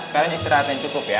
kalian istirahatnya cukup ya